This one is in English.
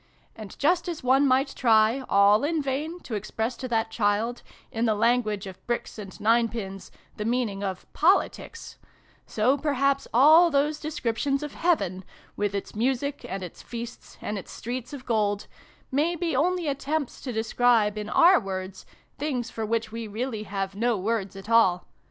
And, just as one might try, all in vain, to express to that child, in the language of bricks and ninepins, the meaning of ' politics,' so perhaps all those descriptions of Heaven, with its music, and its feasts, and its streets of gold, may be only attempts to describe, in our words, things for which we really have no words at all.